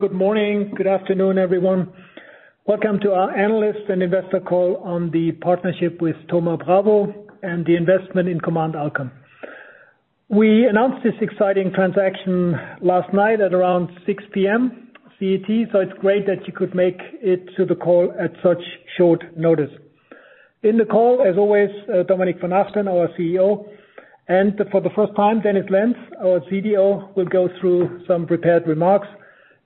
Good morning. Good afternoon, everyone. Welcome to our analyst and investor call on the partnership with Thoma Bravo and the investment in Command Alkon. We announced this exciting transaction last night at around 6:00 P.M. CET. It's great that you could make it to the call at such short notice. In the call, as always, Dominik von Achten, our CEO, and for the first time, Dennis Lentz, our CDO, will go through some prepared remarks.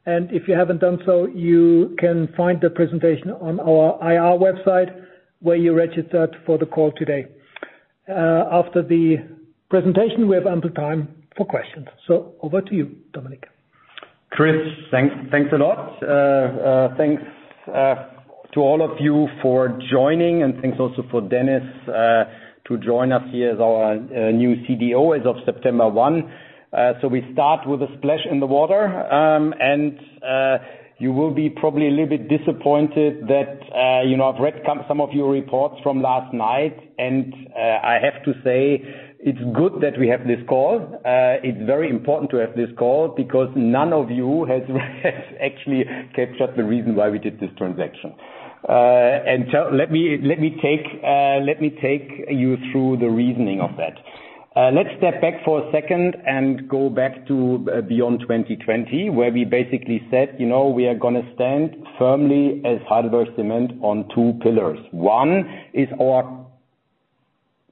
If you haven't done so, you can find the presentation on our IR website, where you registered for the call today. After the presentation, we have ample time for questions. Over to you, Dominik. Chris, thanks a lot. Thanks to all of you for joining, and thanks also for Dennis to join us here as our new CDO as of September one. We start with a splash in the water, and you will be probably a little bit disappointed that I've read some of your reports from last night, and I have to say it's good that we have this call. It's very important to have this call because none of you has actually captured the reason why we did this transaction. Let me take you through the reasoning of that. Let's step back for a second and go back to Beyond 2020, where we basically said we are going to stand firmly as Heidelberg Materials on two pillars. One, is our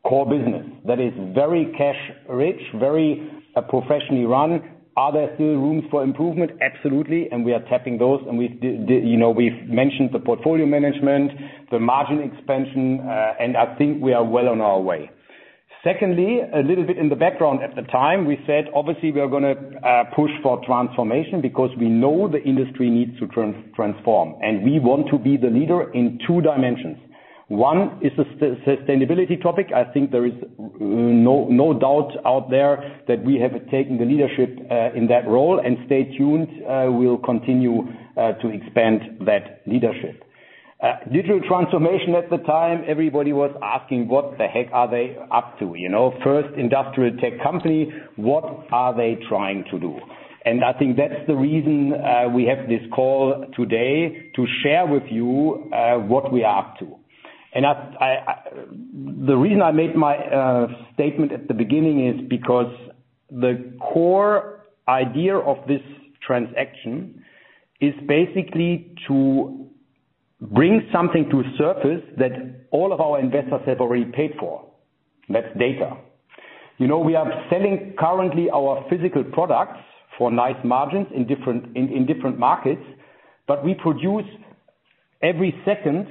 core business that is very cash rich, very professionally run. Are there still rooms for improvement? Absolutely. We are tapping those, and we've mentioned the portfolio management, the margin expansion, and I think we are well on our way. Secondly, a little bit in the background at the time, we said obviously we are going to push for transformation because we know the industry needs to transform, and we want to be the leader in two dimensions. One is the sustainability topic. I think there is no doubt out there that we have taken the leadership in that role, and stay tuned, we'll continue to expand that leadership. Digital transformation at the time, everybody was asking, what the heck are they up to? First industrial tech company. What are they trying to do? I think that's the reason we have this call today to share with you what we are up to. The reason I made my statement at the beginning is because the core idea of this transaction is basically to bring something to surface that all of our investors have already paid for. That's data. We are selling currently our physical products for nice margins in different markets, but we produce every second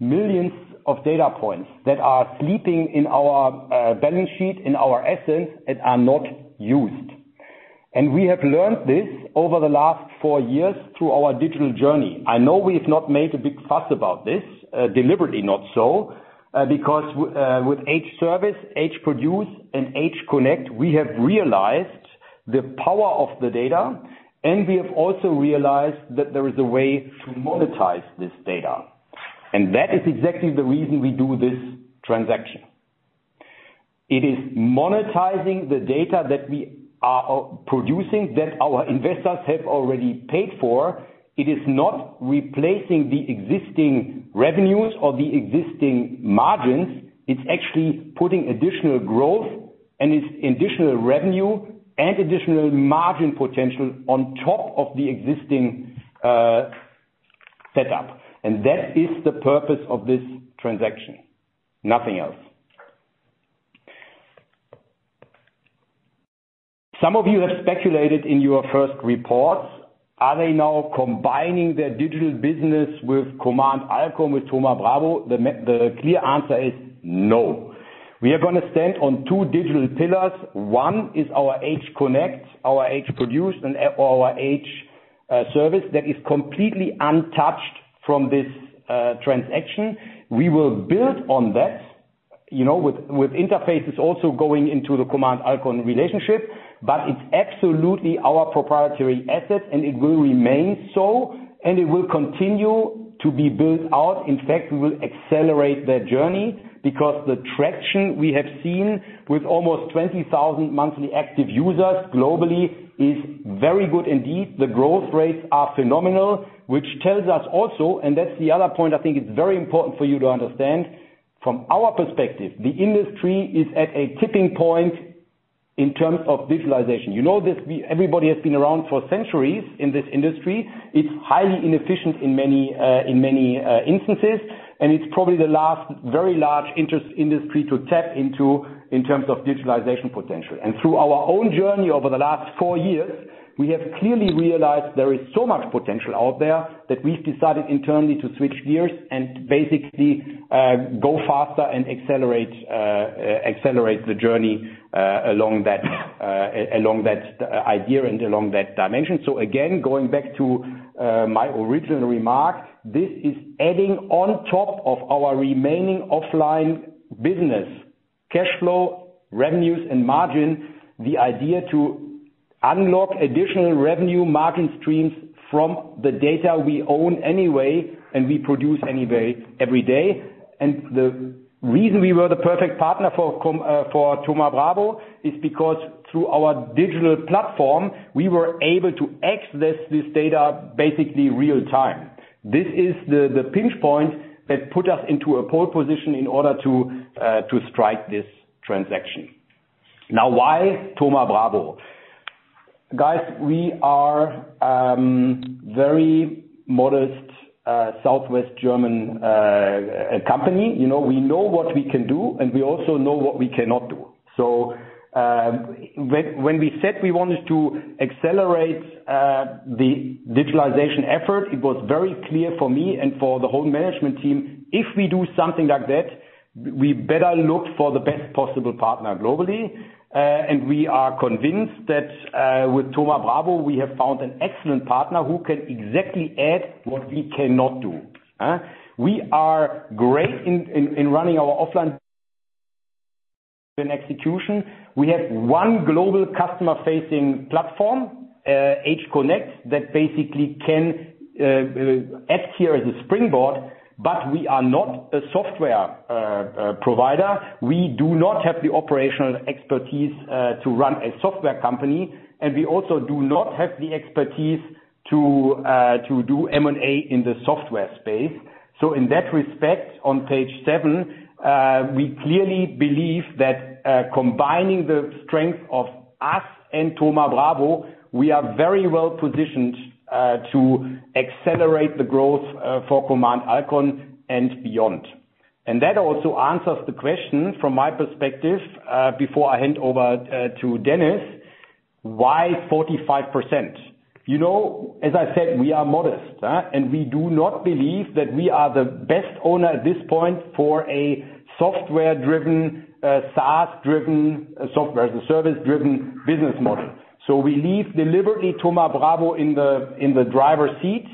millions of data points that are sleeping in our balance sheet, in our assets, and are not used. We have learned this over the last four years through our digital journey. I know we have not made a big fuss about this, deliberately not so, because with H Service, H Produce, and HConnect, we have realized the power of the data, and we have also realized that there is a way to monetize this data. That is exactly the reason we do this transaction. It is monetizing the data that we are producing that our investors have already paid for. It is not replacing the existing revenues or the existing margins. It's actually putting additional growth and it's additional revenue and additional margin potential on top of the existing setup. That is the purpose of this transaction, nothing else. Some of you have speculated in your first reports, are they now combining their digital business with Command Alkon, with Thoma Bravo? The clear answer is no. We are going to stand on two digital pillars. One is our HConnect, our H Produce, and our H Service that is completely untouched from this transaction. We will build on that, with interfaces also going into the Command Alkon relationship, but it's absolutely our proprietary asset, and it will remain so, and it will continue to be built out. In fact, we will accelerate that journey because the traction we have seen with almost 20,000 monthly active users globally is very good indeed. The growth rates are phenomenal, which tells us also, and that's the other point I think it's very important for you to understand, from our perspective, the industry is at a tipping point in terms of digitalization. You know this, everybody has been around for centuries in this industry. It's highly inefficient in many instances, and it's probably the last very large industry to tap into in terms of digitalization potential. Through our own journey over the last four years, we have clearly realized there is so much potential out there that we've decided internally to switch gears and basically go faster and accelerate the journey along that idea and along that dimension. Again, going back to my original remark, this is adding on top of our remaining offline business, cash flow, revenues, and margin, the idea to unlock additional revenue margin streams from the data we own anyway and we produce anyway every day. The reason we were the perfect partner for Thoma Bravo is because through our digital platform, we were able to access this data basically real time. This is the pinch point that put us into a pole position in order to strike this transaction. Why Thoma Bravo? Guys, we are a very modest Southwest German company. We know what we can do, and we also know what we cannot do. When we said we wanted to accelerate the digitalization effort, it was very clear for me and for the whole management team, if we do something like that, we better look for the best possible partner globally. We are convinced that with Thoma Bravo, we have found an excellent partner who can exactly add what we cannot do. We are great in running our offline execution. We have one global customer-facing platform, HConnect, that basically can act here as a springboard, but we are not a software provider. We do not have the operational expertise to run a software company, and we also do not have the expertise to do M&A in the software space. In that respect, on page seven, we clearly believe that combining the strength of us and Thoma Bravo, we are very well positioned to accelerate the growth for Command Alkon and beyond. That also answers the question, from my perspective, before I hand over to Dennis, why 45%? As I said, we are modest. We do not believe that we are the best owner at this point for a software-driven, SaaS-driven, software as a service-driven business model. We leave deliberately Thoma Bravo in the driver's seat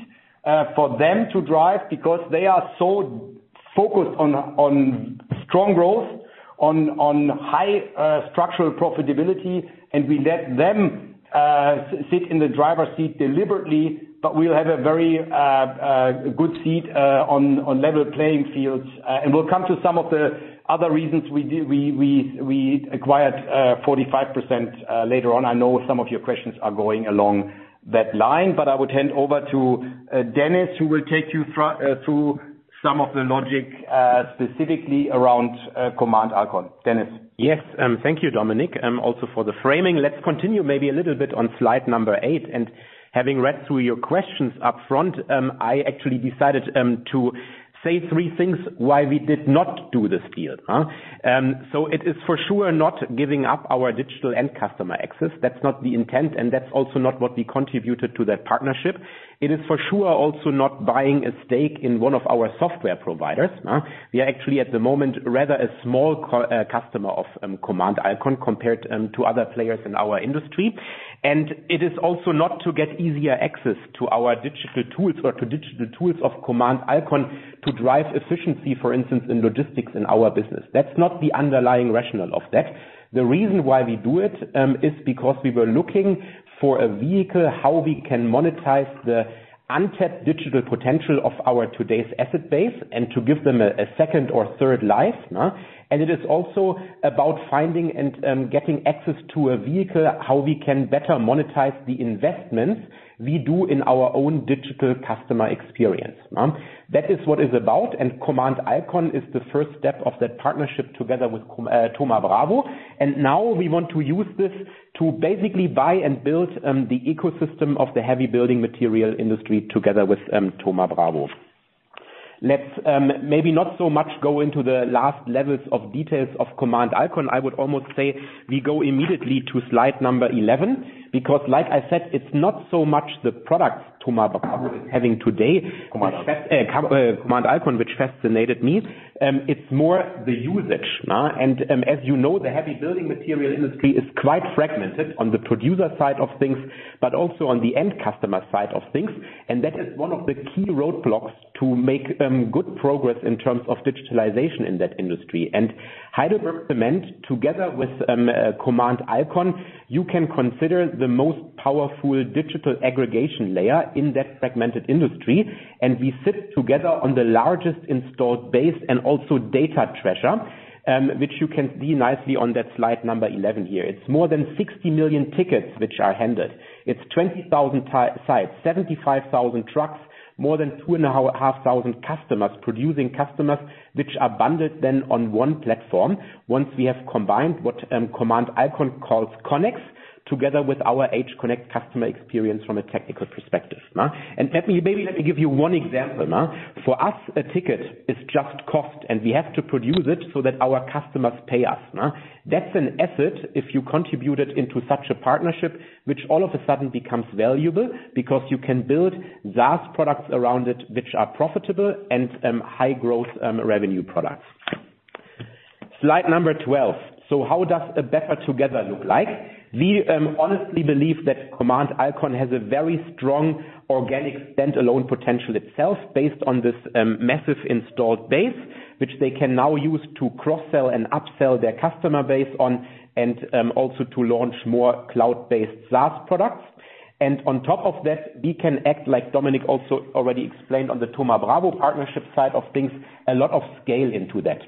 for them to drive, because they are so focused on strong growth, on high structural profitability, and we let them sit in the driver's seat deliberately, but we'll have a very good seat on level playing fields. We'll come to some of the other reasons we acquired 45% later on. I know some of your questions are going along that line. I would hand over to Dennis, who will take you through some of the logic specifically around Command Alkon. Dennis? Yes. Thank you, Dominik, also for the framing. Let's continue maybe a little bit on slide number eight, and having read through your questions up front, I actually decided to say three things why we did not do this deal. It is for sure not giving up our digital end customer access. That's not the intent, and that's also not what we contributed to that partnership. It is for sure also not buying a stake in one of our software providers. We are actually at the moment rather a small customer of Command Alkon compared to other players in our industry. It is also not to get easier access to our digital tools or to digital tools of Command Alkon to drive efficiency, for instance, in logistics in our business. That's not the underlying rationale of that. The reason why we do it is because we were looking for a vehicle, how we can monetize the untapped digital potential of our today's asset base and to give them a second or third life. It is also about finding and getting access to a vehicle, how we can better monetize the investments we do in our own digital customer experience. That is what is about. Command Alkon is the first step of that partnership together with Thoma Bravo. Now we want to use this to basically buy and build the ecosystem of the heavy building material industry together with Thoma Bravo. Let's maybe not so much go into the last levels of details of Command Alkon. I would almost say we go immediately to slide number 11, because like I said, it's not so much the product Thoma Bravo is having today. Command Alkon Command Alkon, which fascinated me. It's more the usage. As you know, the heavy building material industry is quite fragmented on the producer side of things, but also on the end customer side of things. That is one of the key roadblocks to make good progress in terms of digitalization in that industry. Heidelberg Materials, together with Command Alkon, you can consider the most powerful digital aggregation layer in that fragmented industry, and we sit together on the largest installed base and also data treasure, which you can see nicely on that slide number 11 here. It's more than 60 million tickets which are handled. It's 20,000 sites, 75,000 trucks, more than 2,500 customers, producing customers, which are bundled then on one platform. Once we have combined what Command Alkon calls CONNEX, together with our HConnect customer experience from a technical perspective. Maybe let me give you one example. For us, a ticket is just cost, and we have to produce it so that our customers pay us. That's an asset if you contribute it into such a partnership, which all of a sudden becomes valuable because you can build SaaS products around it which are profitable and high growth revenue products. Slide number 12. How does a better together look like? We honestly believe that Command Alkon has a very strong organic standalone potential itself based on this massive installed base, which they can now use to cross-sell and up-sell their customer base on, and also to launch more cloud-based SaaS products. On top of that, we can act, like Dominik also already explained on the Thoma Bravo partnership side of things, a lot of scale into that.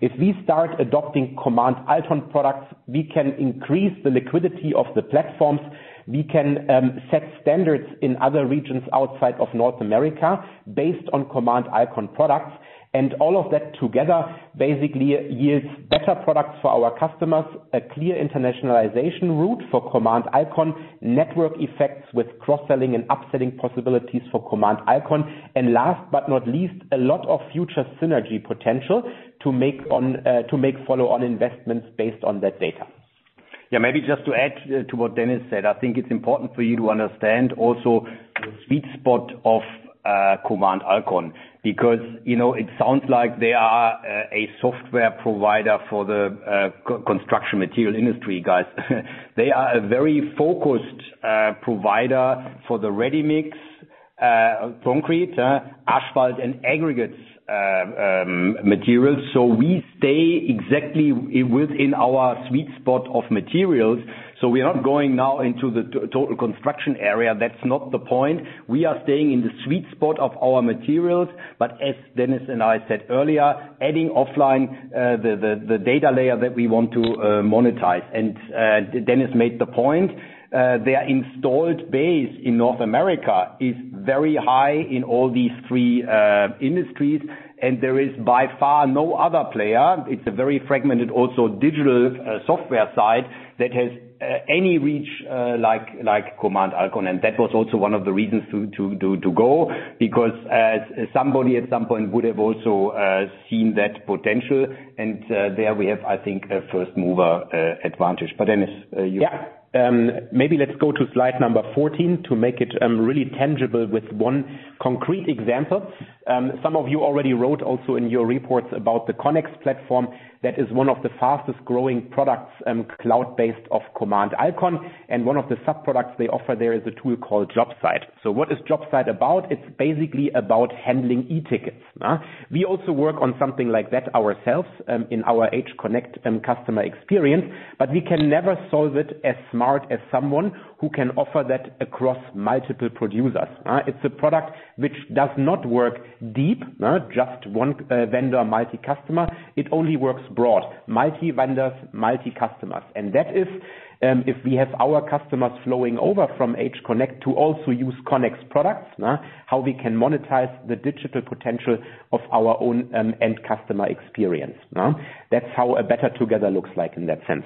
If we start adopting Command Alkon products, we can increase the liquidity of the platforms. We can set standards in other regions outside of North America based on Command Alkon products. All of that together basically yields better products for our customers, a clear internationalization route for Command Alkon, network effects with cross-selling and upselling possibilities for Command Alkon, and last but not least, a lot of future synergy potential to make follow-on investments based on that data. Yeah. Maybe just to add to what Dennis said, I think it is important for you to understand also the sweet spot of Command Alkon, because it sounds like they are a software provider for the construction material industry, guys. They are a very focused provider for the ready-mix concrete, asphalt, and aggregates materials. We stay exactly within our sweet spot of materials. We are not going now into the total construction area. That's not the point. We are staying in the sweet spot of our materials, but as Dennis and I said earlier, adding offline the data layer that we want to monetize. Dennis made the point, their installed base in North America is very high in all these three industries, and there is by far no other player. It's a very fragmented, also digital software side that has any reach like Command Alkon. That was also one of the reasons to go because somebody at some point would have also seen that potential. There we have, I think, a first-mover advantage. Dennis, you- Yeah. Maybe let's go to slide 14 to make it really tangible with one concrete example. Some of you already wrote also in your reports about the CONNEX platform that is one of the fastest-growing products, cloud-based, of Command Alkon. One of the sub-products they offer there is a tool called Jobsite. What is Jobsite about? It is basically about handling e-tickets. We also work on something like that ourselves, in our HConnect customer experience, but we can never solve it as smart as someone who can offer that across multiple producers. It is a product which does not work deep, just one vendor, multi-customer. It only works broad. Multi-vendors, multi-customers. That is if we have our customers flowing over from HConnect to also use CONNEX products, how we can monetize the digital potential of our own end customer experience. That's how a better together looks like in that sense.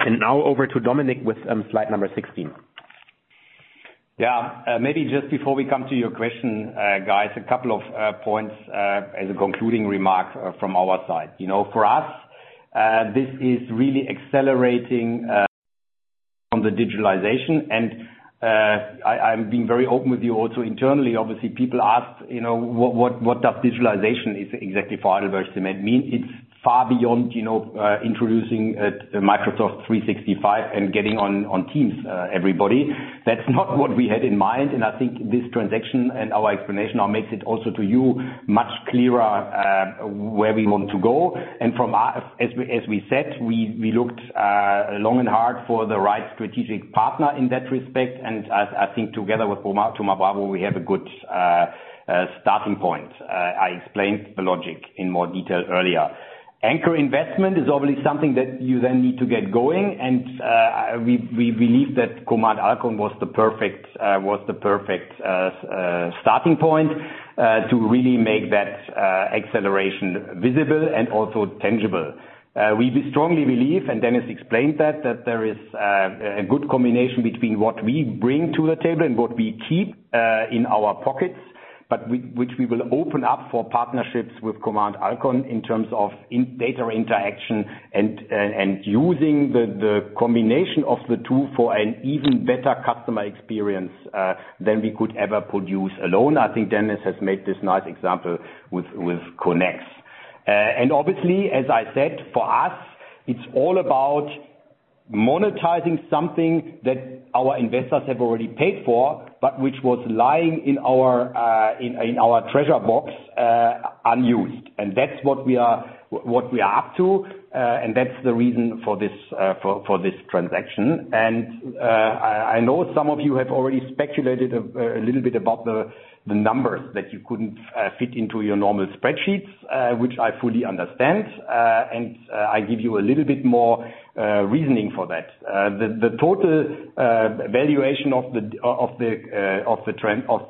Now over to Dominik with slide 16. Maybe just before we come to your question, guys, a couple of points as a concluding remark from our side. For us, this is really accelerating on the digitalization. I'm being very open with you also internally, obviously, people ask, what does digitalization is exactly for Heidelberg Materials mean? It's far beyond introducing Microsoft 365 and getting on Teams, everybody. That's not what we had in mind. I think this transaction and our explanation now makes it also to you much clearer where we want to go. As we said, we looked long and hard for the right strategic partner in that respect. I think together with Thoma Bravo, we have a good starting point. I explained the logic in more detail earlier. Anchor investment is obviously something that you then need to get going. We believe that Command Alkon was the perfect starting point to really make that acceleration visible and also tangible. We strongly believe, and Dennis explained that, there is a good combination between what we bring to the table and what we keep in our pockets, which we will open up for partnerships with Command Alkon in terms of data interaction and using the combination of the two for an even better customer experience than we could ever produce alone. I think Dennis has made this nice example with CONNEX. Obviously, as I said, for us, it's all about monetizing something that our investors have already paid for, but which was lying in our treasure box unused. That's what we are up to, and that's the reason for this transaction. I know some of you have already speculated a little bit about the numbers that you couldn't fit into your normal spreadsheets, which I fully understand. I give you a little bit more reasoning for that. The total valuation of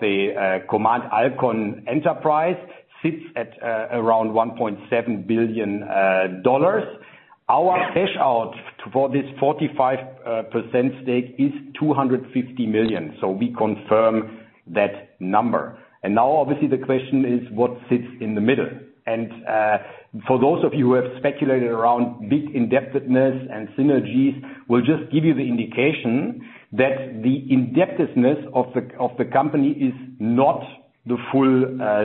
the Command Alkon enterprise sits at around $1.7 billion. Our cash out for this 45% stake is $250 million. We confirm that number. Now obviously the question is what sits in the middle? For those of you who have speculated around bit indebtedness and synergies, we'll just give you the indication that the indebtedness of the company is not the full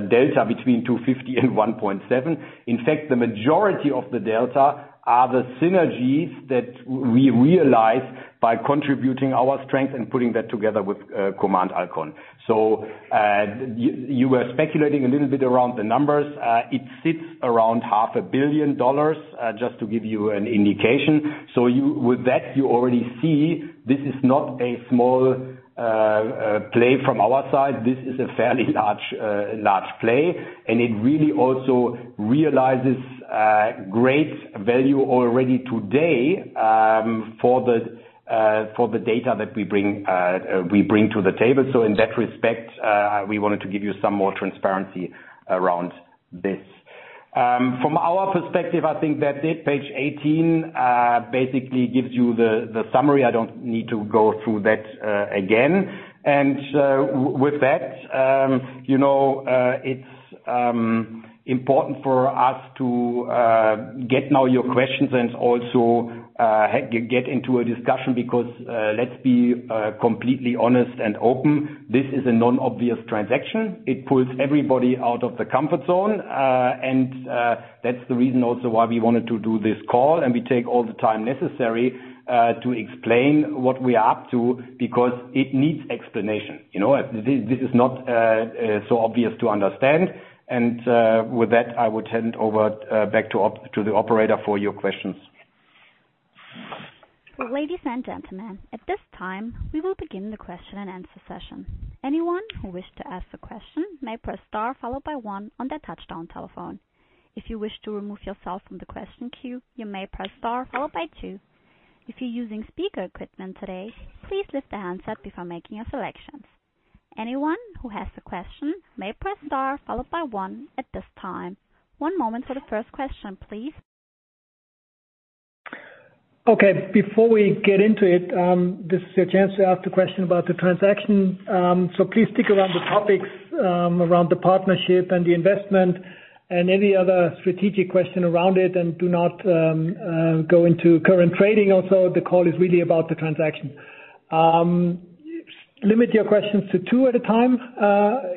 delta between 250 and 1.7. In fact, the majority of the delta are the synergies that we realize by contributing our strength and putting that together with Command Alkon. You were speculating a little bit around the numbers. It sits around half a billion dollars, just to give you an indication. With that, you already see this is not a small play from our side. This is a fairly large play, and it really also realizes great value already today for the data that we bring to the table. In that respect, we wanted to give you some more transparency around this. From our perspective, I think that's it. Page 18 basically gives you the summary. I don't need to go through that again. With that, it's important for us to get now your questions and also get into a discussion, because let's be completely honest and open, this is a non-obvious transaction. It pulls everybody out of the comfort zone. That's the reason also why we wanted to do this call, and we take all the time necessary to explain what we are up to because it needs explanation. This is not so obvious to understand. With that, I would hand it over back to the operator for your questions. Ladies and gentlemen, at this time, we will begin the question and answer session. Anyone who wishes to ask a question may press star followed by one on their touch-tone telephone. If you wish to remove yourself from the question queue, you may press star followed by two. If you're using speaker equipment today, please lift the handset before making a selection. Anyone who has a question may press star followed by one at this time. One moment for the first question, please. Okay. Before we get into it, this is your chance to ask a question about the transaction. Please stick around the topics around the partnership and the investment and any other strategic question around it, and do not go into current trading. The call is really about the transaction. Limit your questions to two at a time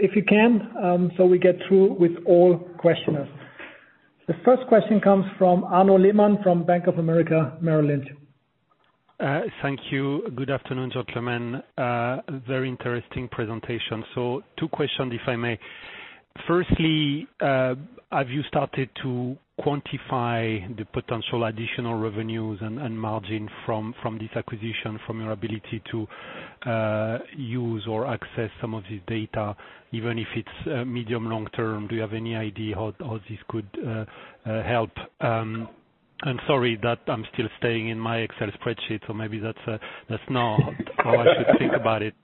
if you can, so we get through with all questioners. The first question comes from Arnaud Lehmann from Bank of America Merrill Lynch. Thank you. Good afternoon, gentlemen. A very interesting presentation. Two questions, if I may. Firstly, have you started to quantify the potential additional revenues and margin from this acquisition, from your ability to use or access some of this data, even if it's medium long term? Do you have any idea how this could help? I'm sorry that I'm still staying in my Excel spreadsheet, so maybe that's not how I should think about it.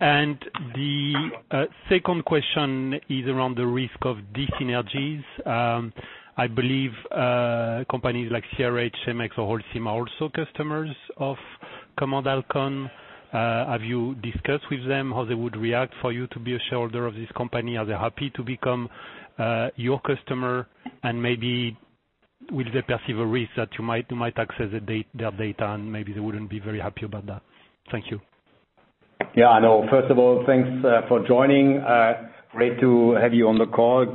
The second question is around the risk of dyssynergies. I believe companies like CRH, Cemex, or Holcim are also customers of Command Alkon. Have you discussed with them how they would react for you to be a shareholder of this company? Are they happy to become your customer? Maybe will they perceive a risk that you might access their data, and maybe they wouldn't be very happy about that. Thank you. I know. First of all, thanks for joining. Great to have you on the call.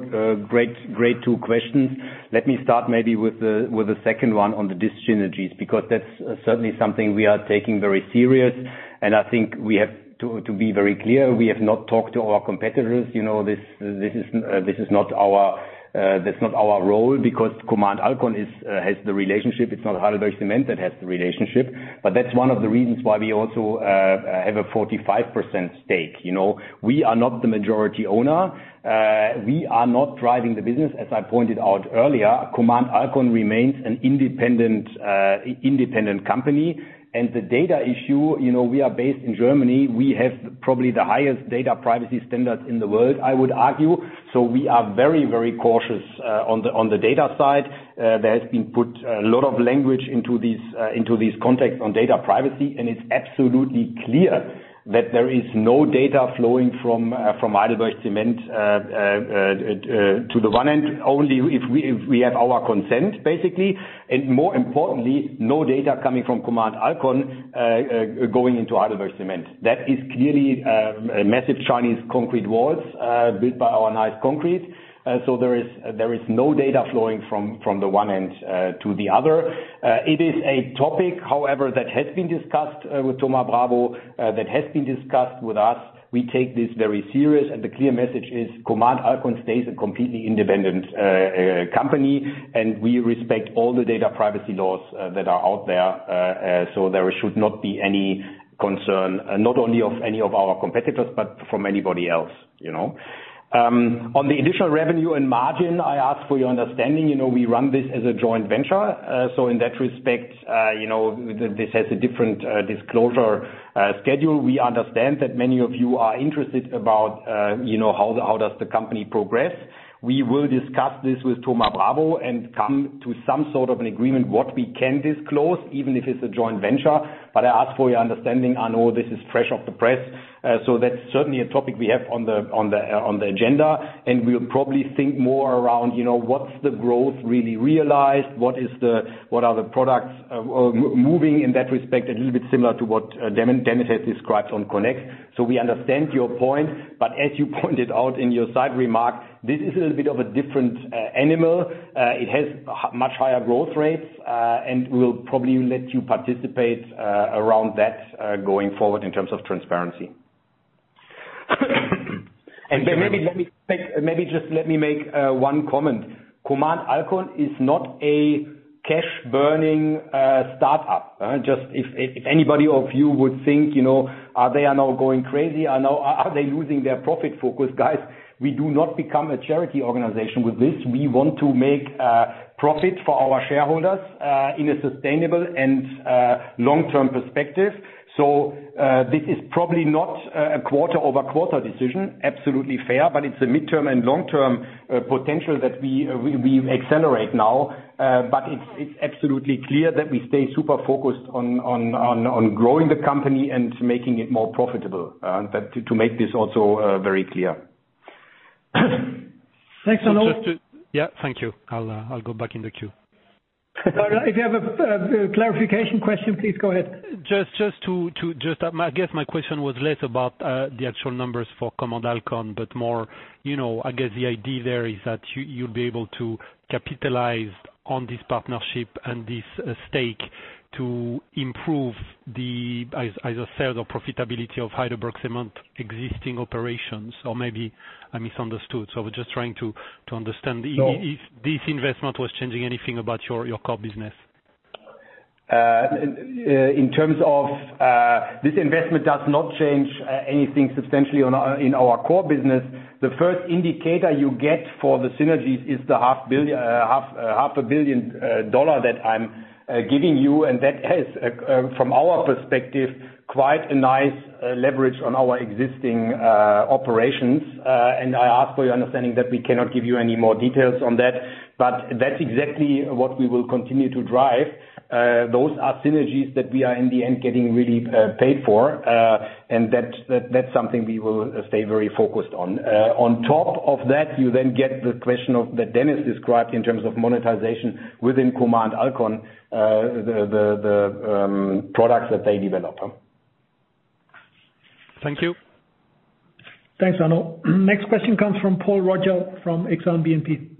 Great two questions. Let me start maybe with the second one on the dyssynergies, because that's certainly something we are taking very serious, and I think we have to be very clear, we have not talked to our competitors. That's not our role because Command Alkon has the relationship. It's not Heidelberg Materials that has the relationship. That's one of the reasons why we also have a 45% stake. You know, we are not the majority owner. We are not driving the business. As I pointed out earlier, Command Alkon remains an independent company. The data issue, we are based in Germany. We have probably the highest data privacy standards in the world, I would argue. We are very cautious on the data side. There has been put a lot of language into these contexts on data privacy, it's absolutely clear that there is no data flowing from Heidelberg Materials to the one end, only if we have our consent, basically. More importantly, no data coming from Command Alkon going into Heidelberg Materials. That is clearly a massive Chinese concrete walls built by our nice concrete. There is no data flowing from the one end to the other. It is a topic, however, that has been discussed with Thoma Bravo, that has been discussed with us. We take this very serious, the clear message is Command Alkon stays a completely independent company, we respect all the data privacy laws that are out there. There should not be any concern, not only of any of our competitors, but from anybody else. On the additional revenue and margin, I ask for your understanding. In that respect, this has a different disclosure schedule. We understand that many of you are interested about how does the company progress. We will discuss this with Thoma Bravo and come to some sort of an agreement what we can disclose, even if it's a joint venture. I ask for your understanding. I know this is fresh off the press. That's certainly a topic we have on the agenda, and we'll probably think more around what's the growth really realized? What are the products moving in that respect? A little bit similar to what Dennis has described on CONNEX. We understand your point, but as you pointed out in your side remark, this is a little bit of a different animal. It has much higher growth rates, and we'll probably let you participate around that going forward in terms of transparency. Maybe just let me make one comment. Command Alkon is not a cash burning startup. Just if anybody of you would think, are they are now going crazy? Are they losing their profit focus? Guys, we do not become a charity organization with this. We want to make profit for our shareholders in a sustainable and long-term perspective. This is probably not a quarter-over-quarter decision. Absolutely fair, it's a midterm and long-term potential that we accelerate now. It's absolutely clear that we stay super focused on growing the company and making it more profitable, to make this also very clear. Thanks, Arnaud. Yeah. Thank you. I'll go back in the queue. If you have a clarification question, please go ahead. I guess my question was less about the actual numbers for Command Alkon, but more, I guess the idea there is that you'll be able to capitalize on this partnership and this stake to improve the either sales or profitability of Heidelberg Materials existing operations or maybe I misunderstood. I was just trying to understand if this investment was changing anything about your core business. In terms of this investment does not change anything substantially in our core business. The first indicator you get for the synergies is the half a billion dollar that I'm giving you, and that has, from our perspective, quite a nice leverage on our existing operations. I ask for your understanding that we cannot give you any more details on that. That's exactly what we will continue to drive. Those are synergies that we are in the end, getting really paid for. That's something we will stay very focused on. On top of that, you get the question that Dennis described in terms of monetization within Command Alkon, the products that they develop. Thank you. Thanks, Arnaud Lehmann an. Next question comes from Paul Roger from Exane BNP.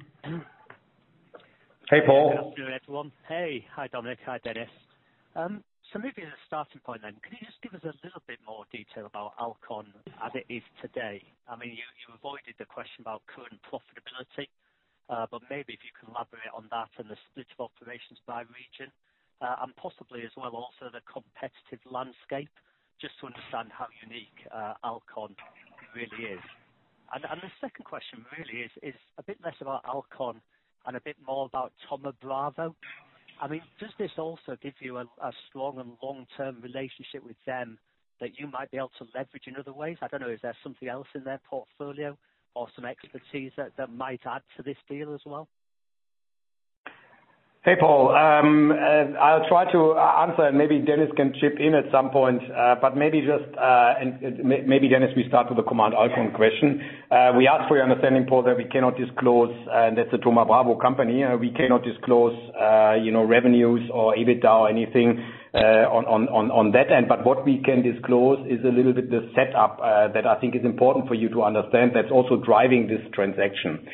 Hey, Paul. Good afternoon, everyone. Hey. Hi, Dominik. Hi, Dennis. Maybe as a starting point then, can you just give us a little bit more detail about Alkon as it is today? You avoided the question about current profitability, but maybe if you can elaborate on that and the split of operations by region, and possibly as well, also the competitive landscape, just to understand how unique Alkon really is. The second question really is a bit less about Alkon and a bit more about Thoma Bravo. Does this also give you a strong and long-term relationship with them that you might be able to leverage in other ways? I don't know, is there something else in their portfolio or some expertise that might add to this deal as well? Hey, Paul. I'll try to answer and maybe Dennis can chip in at some point. Maybe Dennis, we start with the Command Alkon question. We ask for your understanding, Paul, that we cannot disclose, that's a Thoma Bravo company, we cannot disclose revenues or EBITDA or anything on that end. What we can disclose is a little bit the setup that I think is important for you to understand, that's also driving this transaction.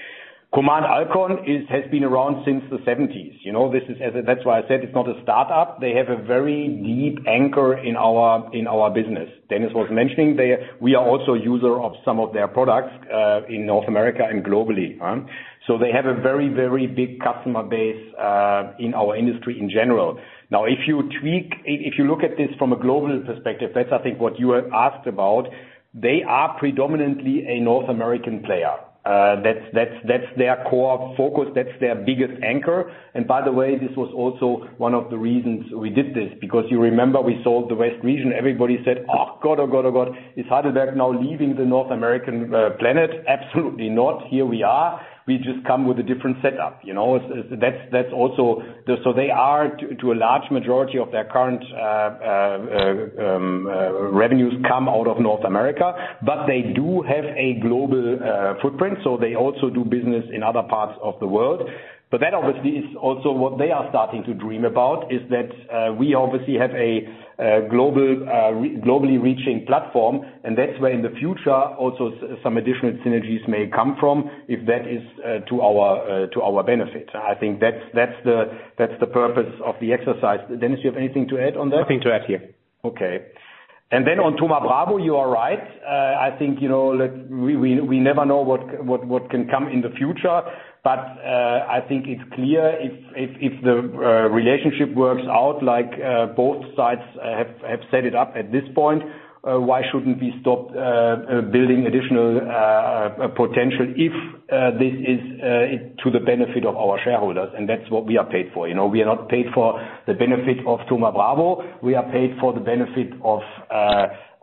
Command Alkon has been around since the '70s. That's why I said it's not a startup. They have a very deep anchor in our business. Dennis was mentioning we are also a user of some of their products in North America and globally. They have a very, very big customer base in our industry in general. If you look at this from a global perspective, that's I think what you asked about, they are predominantly a North American player. That's their core focus. That's their biggest anchor. By the way, this was also one of the reasons we did this, because you remember we sold the West region. Everybody said, "Oh, God, is Heidelberg now leaving the North American planet." Absolutely not. Here we are. We just come with a different setup. They are, to a large majority of their current revenues come out of North America, but they do have a global footprint, so they also do business in other parts of the world. That obviously is also what they are starting to dream about, is that we obviously have a globally reaching platform, and that's where in the future, also some additional synergies may come from if that is to our benefit. I think that's the purpose of the exercise. Dennis, you have anything to add on that? Nothing to add here. Okay. Then on Thoma Bravo, you are right. I think, we never know what can come in the future. I think it's clear if the relationship works out, like both sides have set it up at this point, why shouldn't we stop building additional potential if this is to the benefit of our shareholders, and that's what we are paid for. We are not paid for the benefit of Thoma Bravo. We are paid for the benefit of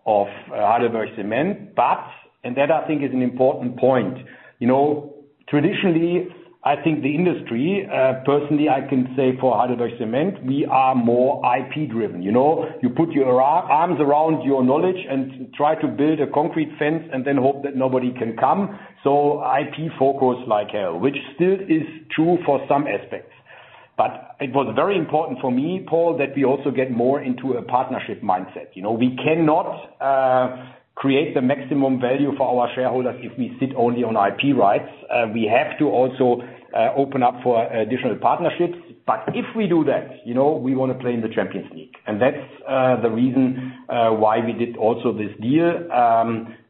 Heidelberg Materials. That I think is an important point. You know traditionally, I think the industry, personally, I can say for Heidelberg Materials, we are more IP-driven. You know you put your arms around your knowledge and try to build a concrete fence and then hope that nobody can come. IP focus like hell, which still is true for some aspects. It was very important for me, Paul, that we also get more into a partnership mindset. We cannot create the maximum value for our shareholders if we sit only on IP rights. We have to also open up for additional partnerships. If we do that, you know we want to play in the Champions League, and that's the reason why we did also this deal.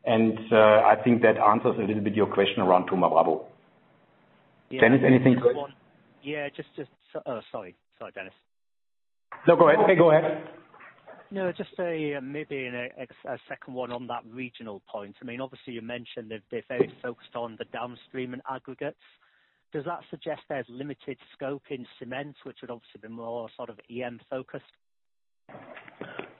And l think that answers a little bit your question around Thoma Bravo. Dennis, anything to add? Yeah. Sorry, Dennis. No, go ahead. Just maybe a second one on that regional point. Obviously, you mentioned that they're very focused on the downstream and aggregates. Does that suggest there's limited scope in cement, which would obviously be more sort of EM-focused?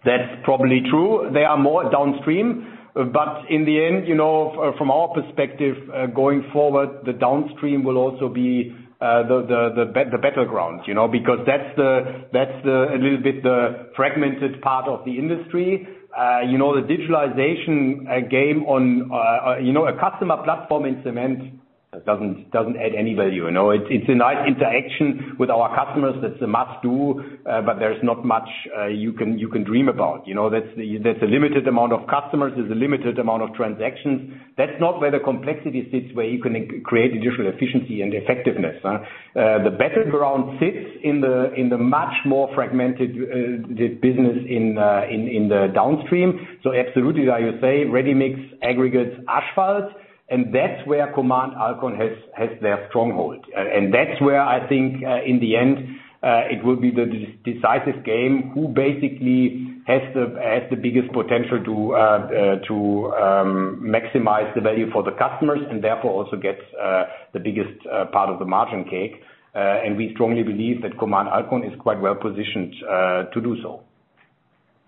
That's probably true. They are more downstream. In the end, you know from our perspective going forward, the downstream will also be the battleground. That's a little bit the fragmented part of the industry. The digitalization game on a customer platform in cement doesn't add any value. It's a nice interaction with our customers, that's a must-do, but there's not much you can dream about. There's a limited amount of customers, there's a limited amount of transactions. That's not where the complexity sits, where you can create additional efficiency and effectiveness. The battleground sits in the much more fragmented business in the downstream. Absolutely, like you say, ready mix aggregates asphalt, and that's where Command Alkon has their stronghold. That's where I think, in the end, it will be the decisive game, who basically has the biggest potential to maximize the value for the customers, and therefore also gets the biggest part of the margin cake. We strongly believe that Command Alkon is quite well-positioned to do so.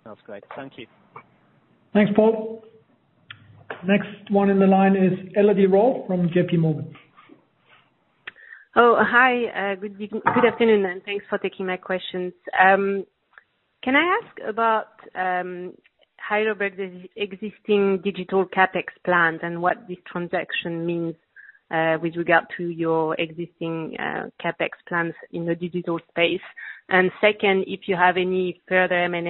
Sounds great. Thank you. Thanks, Paul. Next one in the line is Elodie Rall from JPMorgan. Oh, hi. Good afternoon, and thanks for taking my questions. Can I ask about Heidelberg's existing digital CapEx plans and what this transaction means with regard to your existing CapEx plans in the digital space? Second, if you have any further M&A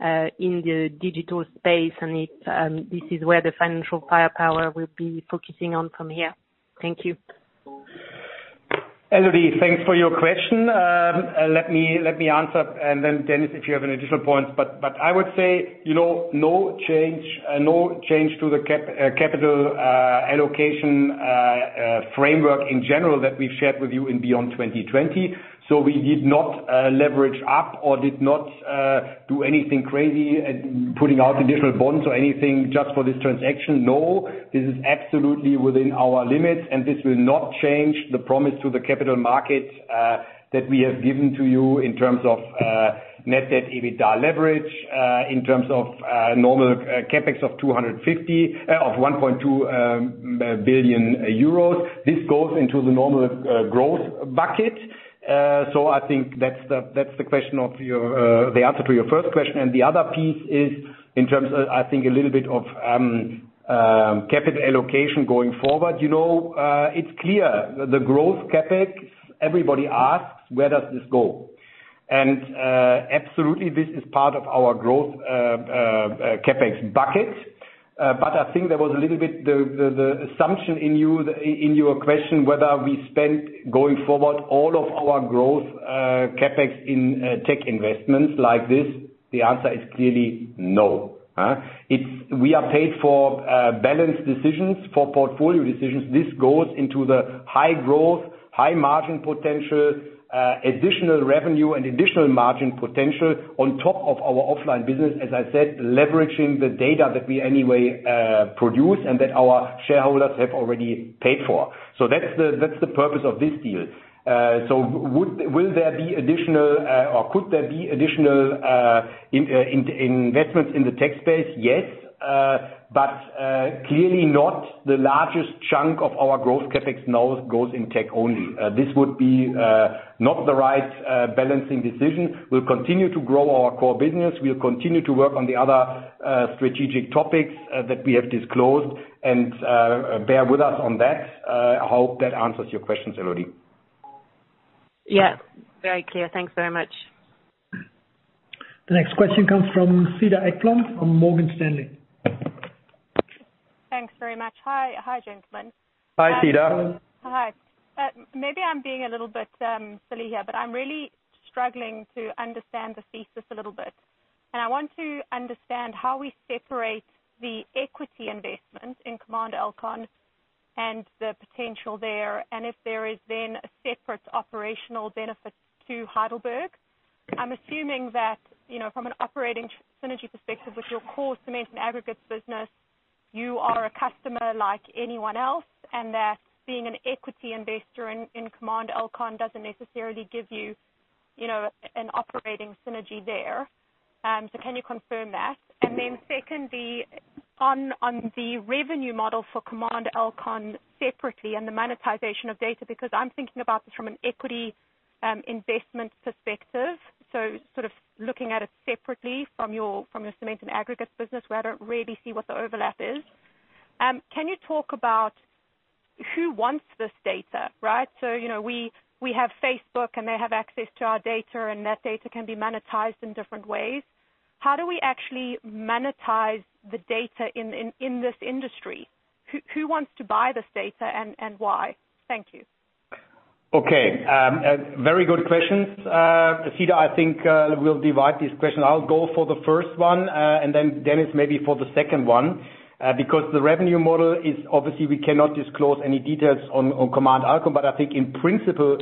ambition in the digital space, and if this is where the financial firepower will be focusing on from here. Thank you. Elodie, thanks for your question. Let me answer, and then Dennis, if you have any additional points. I would say, no change to the capital allocation framework in general that we've shared with you in Beyond 2020. We did not leverage up or did not do anything crazy, putting out additional bonds or anything just for this transaction. This is absolutely within our limits, and this will not change the promise to the capital markets that we have given to you in terms of net-net EBITDA leverage, in terms of normal CapEx 250 of 1.2 billion euros. This goes into the normal growth bucket. I think that's the answer to your first question, and the other piece is in terms of, I think a little bit of capital allocation going forward. It's clear the growth CapEx, everybody asks, where does this go? Absolutely, this is part of our growth CapEx bucket. I think there was a little bit the assumption in your question whether we spent going forward all of our growth CapEx in tech investments like this. The answer is clearly no. We are paid for balance decisions, for portfolio decisions. This goes into the high growth, high margin potential, additional revenue, and additional margin potential on top of our offline business, as I said, leveraging the data that we anyway produce and that our shareholders have already paid for. That's the purpose of this deal. Will there be additional, or could there be additional investments in the tech space? Yes, but clearly not the largest chunk of our growth CapEx now goes in tech only. This would be not the right balancing decision. We'll continue to grow our core business. We'll continue to work on the other strategic topics that we have disclosed, and bear with us on that. I hope that answers your questions, Elodie. Yeah. Very clear. Thanks very much. The next question comes from Zita Eklund from Morgan Stanley. Thanks very much. Hi, gentlemen. Hi, Zita. Hi. Maybe I'm being a little bit silly here, but I'm really struggling to understand the thesis a little bit. I want to understand how we separate the equity investment in Command Alkon and the potential there, and if there is then a separate operational benefit to Heidelberg. I'm assuming that from an operating synergy perspective with your core cement and aggregates business, you are a customer like anyone else, and that being an equity investor in Command Alkon doesn't necessarily give you an operating synergy there. Can you confirm that? Secondly, on the revenue model for Command Alkon separately and the monetization of data, because I'm thinking about this from an equity investment perspective. Sort of looking at it separately from your cement and aggregates business, where I don't really see what the overlap is. Can you talk about who wants this data, right? We have Facebook, and they have access to our data, and that data can be monetized in different ways. How do we actually monetize the data in this industry? Who wants to buy this data, and why? Thank you. Okay. Very good questions. Zita, I think we will divide this question. I will go for the first one. Dennis, maybe for the second one. The revenue model is obviously we cannot disclose any details on Command Alkon. I think in principle,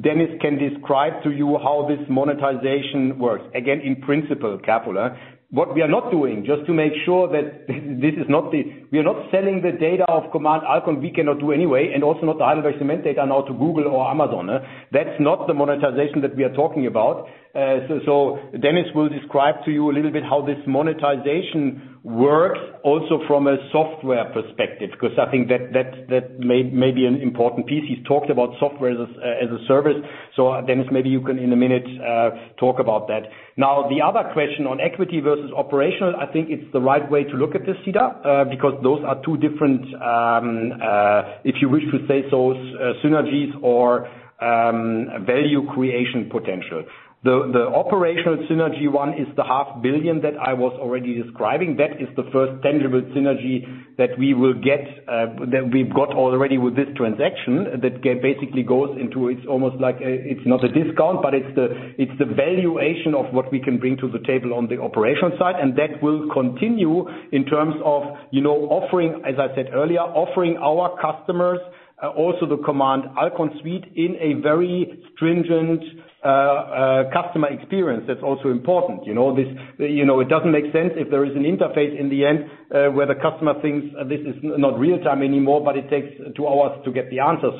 Dennis can describe to you how this monetization works. Again, in principle, careful. What we are not doing, just to make sure that this is not. We are not selling the data of Command Alkon, we cannot do anyway, and also not the Heidelberg Materials data now to Google or Amazon. That is not the monetization that we are talking about. Dennis will describe to you a little bit how this monetization works also from a software perspective. I think that may be an important piece. He has talked about Software as a Service. Dennis, maybe you can in a minute talk about that. The other question on equity versus operational, I think it's the right way to look at this, Zita, because those are two different, if you wish to say so, synergies or value creation potential. The operational synergy one is the half billion that I was already describing. That is the first tangible synergy that we've got already with this transaction that basically goes into, it's not a discount, but it's the valuation of what we can bring to the table on the operations side. That will continue in terms of offering, as I said earlier, offering our customers also the Command Alkon suite in a very stringent customer experience. That's also important. It doesn't make sense if there is an interface in the end, where the customer thinks this is not real-time anymore, but it takes two hours to get the answer.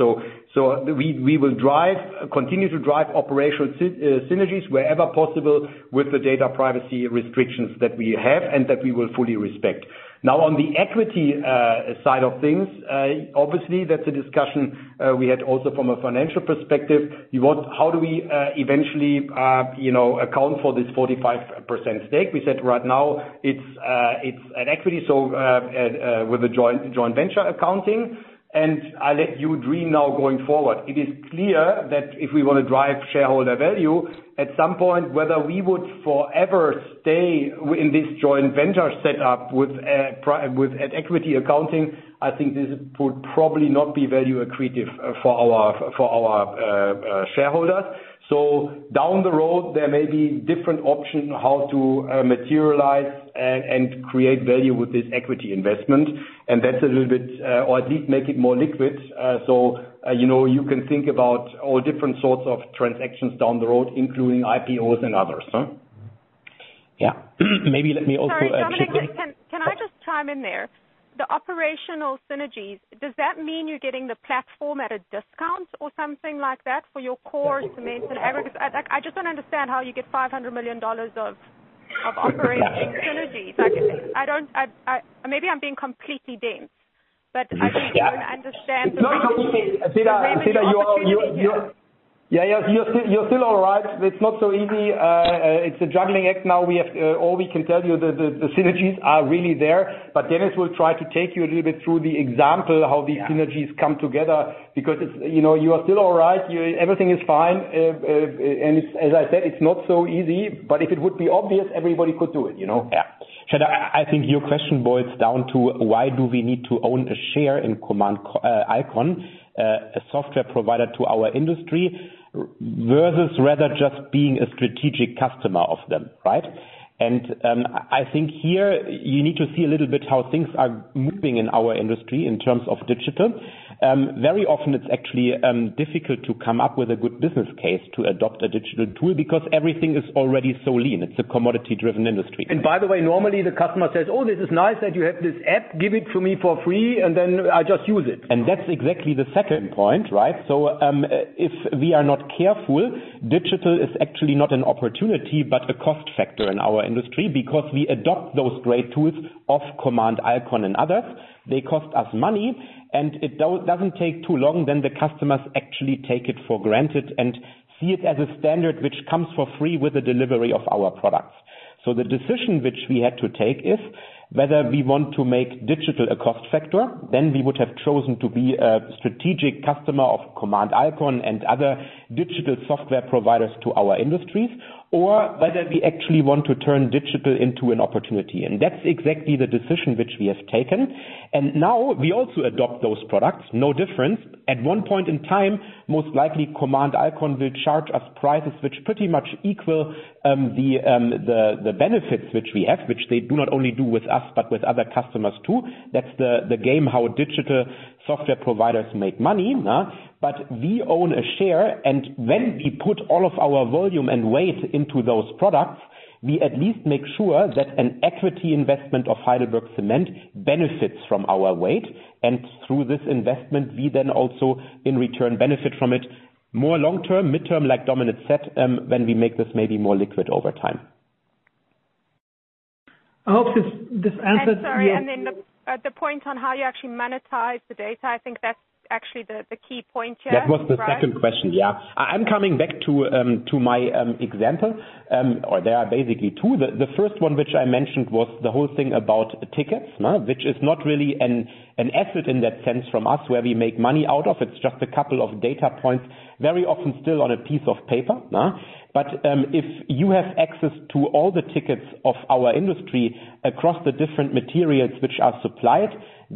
We will continue to drive operational synergies wherever possible with the data privacy restrictions that we have and that we will fully respect. On the equity side of things, obviously that's a discussion we had also from a financial perspective. How do we eventually account for this 45% stake? We said right now it's an equity, so with a joint venture accounting. I let you dream now going forward. It is clear that if we want to drive shareholder value, at some point, whether we would forever stay in this joint venture set up with an equity accounting, I think this would probably not be value accretive for our shareholders. Down the road, there may be different options how to materialize and create value with this equity investment. That's a little bit, or at least make it more liquid. You can think about all different sorts of transactions down the road, including IPOs and others. Yeah. Sorry, Dominik, can I just chime in there? The operational synergies, does that mean you're getting the platform at a discount or something like that for your core cements and aggregates? I just don't understand how you get EUR 500 million of operating synergies. Maybe I'm being completely dense, but I really don't understand. Zita, you're still all right. It's not so easy. It's a juggling act now. All we can tell you, the synergies are really there. Dennis will try to take you a little bit through the example how these synergies come together, because you are still all right. Everything is fine. As I said, it's not so easy, but if it would be obvious, everybody could do it. Yeah. Zita, I think your question boils down to why do we need to own a share in Command Alkon, a software provider to our industry, versus rather just being a strategic customer of them, right? I think here you need to see a little bit how things are moving in our industry in terms of digital. Very often it's actually difficult to come up with a good business case to adopt a digital tool because everything is already so lean. It's a commodity driven industry. By the way, normally the customer says, "Oh, this is nice that you have this app. Give it to me for free and then I just use it. That's exactly the second point, right? If we are not careful, digital is actually not an opportunity, but a cost factor in our industry because we adopt those great tools of Command Alkon and others. They cost us money, and it doesn't take too long, then the customers actually take it for granted and see it as a standard which comes for free with the delivery of our products. The decision which we had to take is whether we want to make digital a cost factor, then we would have chosen to be a strategic customer of Command Alkon and other digital software providers to our industries or whether we actually want to turn digital into an opportunity, and that's exactly the decision which we have taken. Now we also adopt those products, no difference. At one point in time, most likely Command Alkon will charge us prices which pretty much equal the benefits which we have, which they do not only do with us, but with other customers too. That's the game how digital software providers make money but, we own a share, and when we put all of our volume and weight into those products, we at least make sure that an equity investment of Heidelberg Materials benefits from our weight. Through this investment, we then also in return benefit from it more long-term, mid-term, like Dominik said, when we make this maybe more liquid over time. I hope this answers. Sorry, the point on how you actually monetize the data, I think that's actually the key point here, right? That was the second question, yeah. I'm coming back to my example, or there are basically two. The first one, which I mentioned, was the whole thing about tickets. Which is not really an asset in that sense from us where we make money out of. It's just a couple of data points, where we often still on a piece of paper but If you have access to all the tickets of our industry across the different materials which are supplied,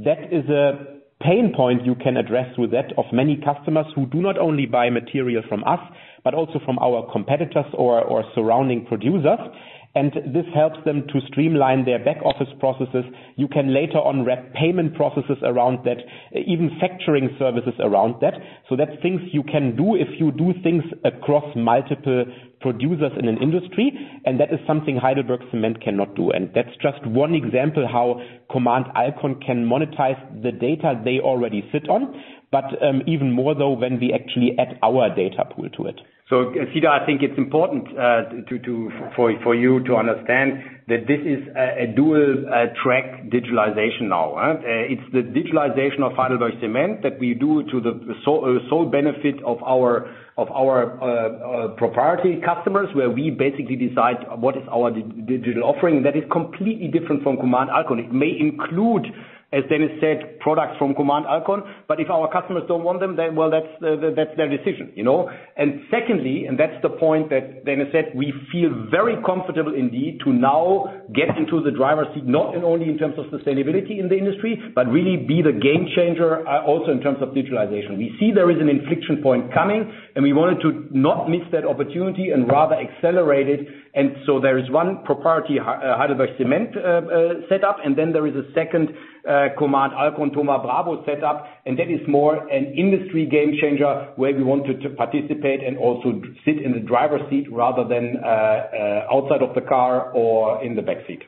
that is a pain point you can address with that of many customers who do not only buy material from us, but also from our competitors or surrounding producers. This helps them to streamline their back office processes. You can later on wrap payment processes around that, even factoring services around that. So that's things you can do if you do things across multiple producers in an industry, and that is something Heidelberg Materials cannot do. That's just one example how Command Alkon can monetize the data they already sit on. Even more though, when we actually add our data pool to it. Zita, I think it's important for you to understand that this is a dual track digitalization now. It's the digitalization of Heidelberg Materials that we do to the sole benefit of our proprietary customers, where we basically decide what is our digital offering. That is completely different from Command Alkon. It may include, as Dennis said, products from Command Alkon, but if our customers don't want them, then, well, that's their decision. Secondly, and that's the point that Dennis said, we feel very comfortable indeed to now get into the driver's seat, not only in terms of sustainability in the industry, but really be the game changer also in terms of digitalization. We see there is an inflection point coming, and we wanted to not miss that opportunity and rather accelerate it. There is one propriety, Heidelberg Materials setup, and then there is a second Command Alkon, Thoma Bravo setup, and that is more an industry game changer where we wanted to participate and also sit in the driver's seat rather than outside of the car or in the back seat.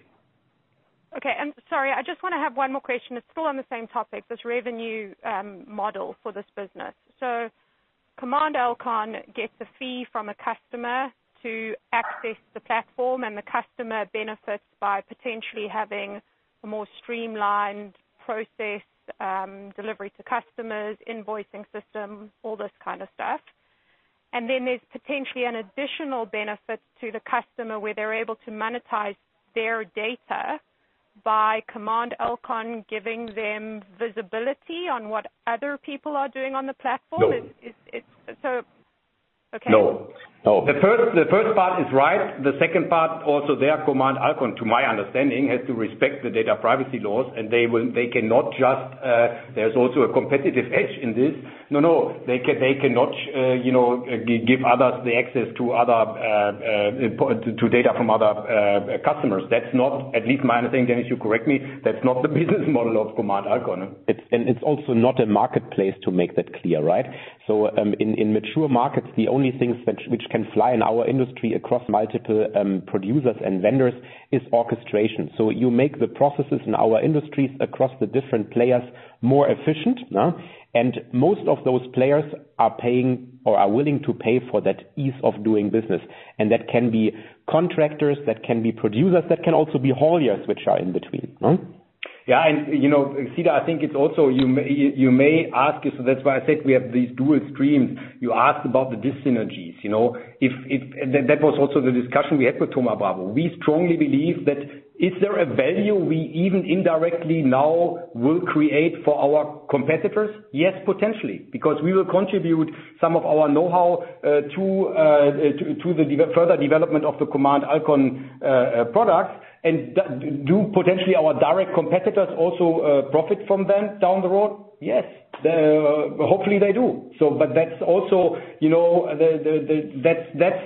Okay. Sorry, I just want to have one more question. It's still on the same topic, this revenue model for this business. Command Alkon gets a fee from a customer to access the platform, and the customer benefits by potentially having a more streamlined process, delivery to customers, invoicing system, all this kind of stuff. Then there's potentially an additional benefit to the customer where they're able to monetize their data by Command Alkon giving them visibility on what other people are doing on the platform. Okay. No. The first part is right. The second part, also there, Command Alkon, to my understanding, has to respect the data privacy laws. There's also a competitive edge in this. They cannot give others the access to data from other customers. That's not, at least my understanding, Dennis, you correct me, that's not the business model of Command Alkon. It's also not a marketplace to make that clear, right? In mature markets, the only things which can fly in our industry across multiple producers and vendors is orchestration. You make the processes in our industries across the different players more efficient. Most of those players are paying or are willing to pay for that ease of doing business. That can be contractors, that can be producers, that can also be hauliers which are in between. Yeah. Zita, I think it's also, you may ask, so that's why I said we have these dual extremes. You asked about the dyssynergies. That was also the discussion we had with Thoma Bravo. We strongly believe that is there a value we even indirectly now will create for our competitors? Yes, potentially, because we will contribute some of our knowhow to the further development of the Command Alkon products. Do potentially our direct competitors also profit from them down the road? Yes. Hopefully, they do. That's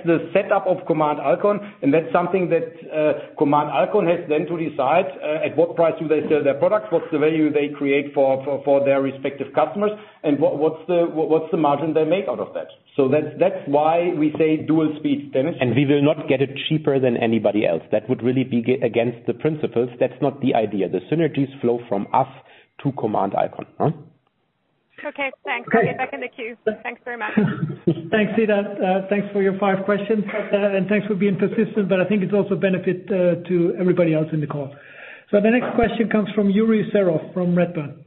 the setup of Command Alkon, and that's something that Command Alkon has then to decide, at what price do they sell their products, what's the value they create for their respective customers, and what's the margin they make out of that. That's why we say dual speed, Dennis. We will not get it cheaper than anybody else. That would really be against the principles. That's not the idea. The synergies flow from us to Command Alkon. Okay, thanks. I'll get back in the queue. Thanks very much. Thanks, Zita. Thanks for your five questions. Thanks for being persistent, but I think it's also a benefit to everybody else in the call. The next question comes from Yuri Serov from Redburn.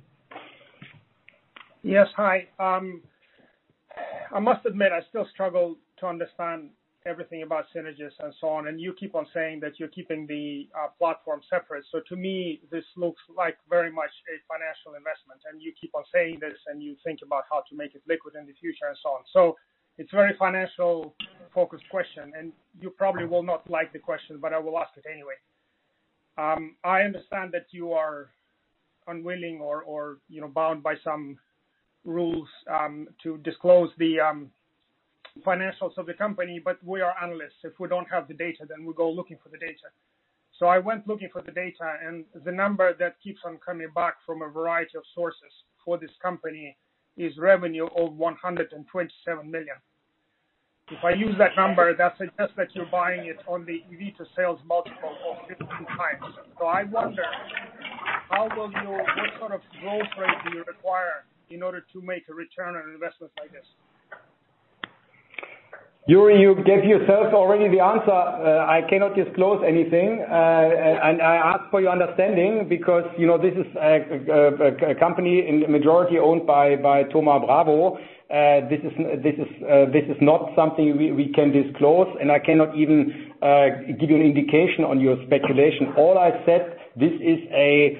Yes, hi. I must admit, I still struggle to understand everything about synergies and so on, and you keep on saying that you're keeping the platform separate. To me, this looks like very much a financial investment, and you keep on saying this, and you think about how to make it liquid in the future and so on. It's a very financially focused question, and you probably will not like the question, but I will ask it anyway. I understand that you are unwilling or bound by some rules to disclose the financials of the company, but we are analysts. If we don't have the data, we go looking for the data. I went looking for the data, and the number that keeps on coming back from a variety of sources for this company is revenue of $127 million. If I use that number, that suggests that you're buying it on the EBITDA sales multiple of 50x. I wonder, what sort of growth rate do you require in order to make a return on investment like this? Yuri, you gave yourself already the answer. I cannot disclose anything. I ask for your understanding because this is a company majority-owned by Thoma Bravo. This is not something we can disclose, and I cannot even give you an indication on your speculation. All I said, this is a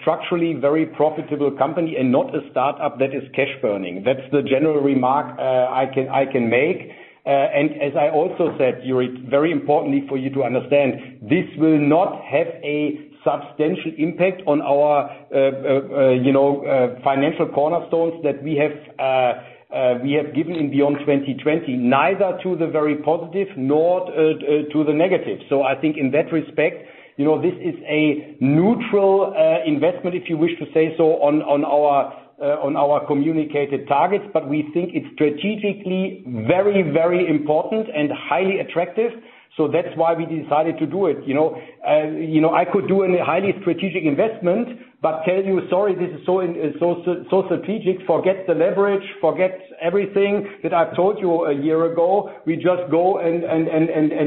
structurally very profitable company and not a startup that is cash-burning. That's the general remark I can make. As I also said, Yuri, it's very importantly for you to understand, this will not have a substantial impact on our financial cornerstones that we have given in Beyond 2020, neither to the very positive nor to the negative. I think in that respect, this is a neutral investment, if you wish to say so, on our communicated targets, but we think it's strategically very important and highly attractive. That's why we decided to do it. I could do a highly strategic investment, but tell you, sorry, this is so strategic, forget the leverage, forget everything that I've told you a year ago. We just go and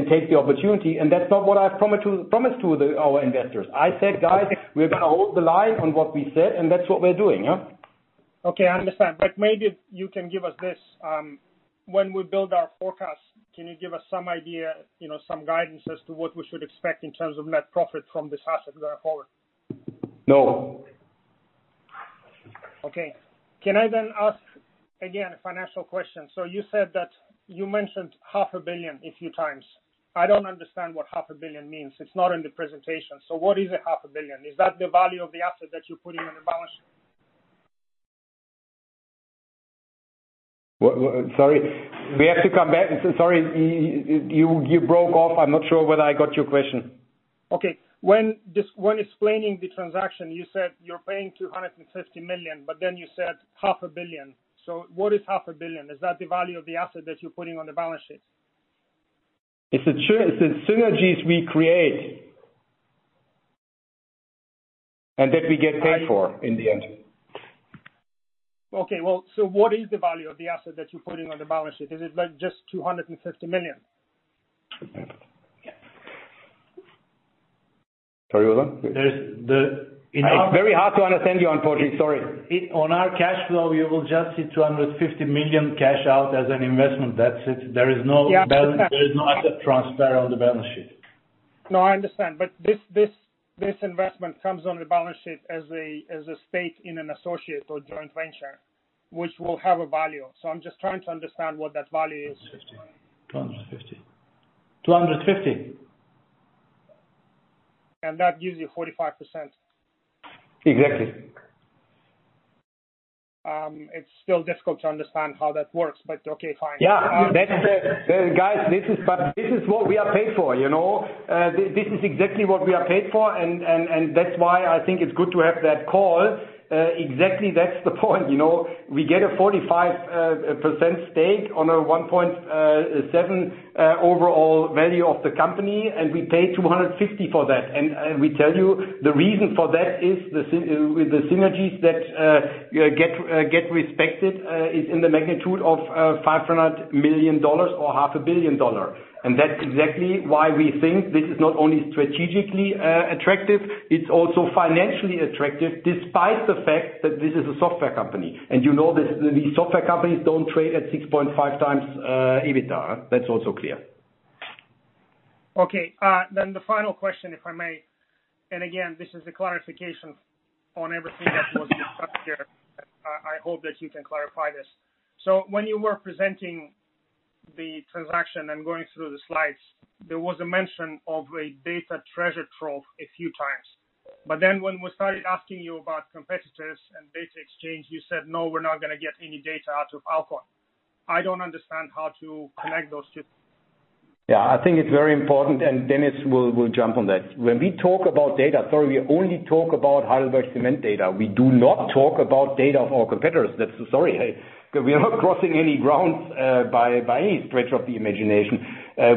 take the opportunity. That's not what I promised to our investors. I said, "Guys, we're going to hold the line on what we said," and that's what we're doing. Okay, I understand. Maybe you can give us this. When we build our forecast, can you give us some idea, some guidance as to what we should expect in terms of net profit from this asset going forward? No. Okay. Can I ask again a financial question? You said that you mentioned half a billion a few times. I don't understand what half a billion means. It is not in the presentation. What is a half a billion? Is that the value of the asset that you are putting on the balance sheet? Sorry. We have to come back. Sorry, you broke off. I'm not sure whether I got your question. When explaining the transaction, you said you're paying $250 million, you said half a billion. What is half a billion? Is that the value of the asset that you're putting on the balance sheet? It's the synergies we create, and that we get paid for in the end. Okay. What is the value of the asset that you're putting on the balance sheet? Is it just $250 million? Sorry, what? There's the- It's very hard to understand you, unfortunately. Sorry. On our cash flow, we will just see $250 million cash out as an investment. That's it. There is no other transfer on the balance sheet. No, I understand. This investment comes on the balance sheet as a stake in an associate or joint venture, which will have a value. I'm just trying to understand what that value is. 250, 250. That gives you 45%? Exactly. It's still difficult to understand how that works, but okay, fine. Yeah. Guys, this is what we are paid for. This is exactly what we are paid for, and that's why I think it's good to have that call. Exactly that's the point. We get a 45% stake on a $1.7 overall value of the company, and we pay $250 for that. We tell you the reason for that is the synergies that get expected is in the magnitude of $500 million or half a billion dollars. That's exactly why we think this is not only strategically attractive, it's also financially attractive, despite the fact that this is a software company. You know these software companies don't trade at 6.5x EBITDA. That's also clear. The final question, if I may, and again, this is a clarification on everything that was discussed here. I hope that you can clarify this. When you were presenting the transaction and going through the slides, there was a mention of a data treasure trove a few times. When we started asking you about competitors and data exchange, you said, "No, we're not going to get any data out of Command Alkon." I don't understand how to connect those two. Yeah, I think it's very important, and Dennis will jump on that. When we talk about data, sorry, we only talk about Heidelberg Materials data. We do not talk about data of our competitors. Sorry. We are not crossing any grounds by any stretch of the imagination.